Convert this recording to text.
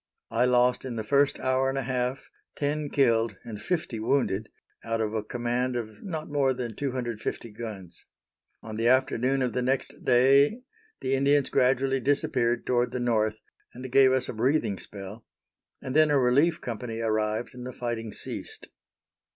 I lost in the first hour and a half ten killed and fifty wounded, out of a command of not more than 250 guns. On the afternoon of the next day the Indians gradually disappeared toward the north, and gave us a breathing spell, and then a relief company arrived and the fighting ceased.